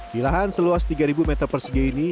di lahan seluas tiga meter persegi ini